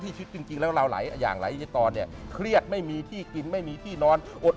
ชีวิตป่าขอย้อนกลับไปตอนวัยเด็ก